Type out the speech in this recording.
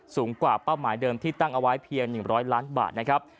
สูงกว่าเป้าหมายเดิมที่ตั้งเอาไว้เพียง๑๐๐ล้านบาทนะครับ